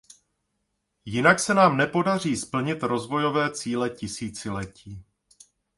Jinak se nám nepodaří splnit rozvojové cíle tisíciletí.